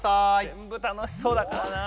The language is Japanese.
ぜんぶ楽しそうだからな。